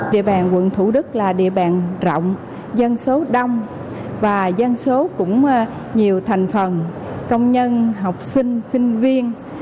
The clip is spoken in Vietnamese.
địa bàn quận thủ đức là địa bàn rộng dân số đông và dân số cũng nhiều thành phần công nhân học sinh sinh viên